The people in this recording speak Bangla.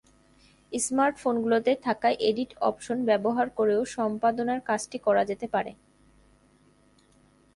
স্মার্ট ফোনগুলোতে থাকা এডিট অপশন ব্যবহার করেও সম্পাদনার কাজটি করা যেতে পারে।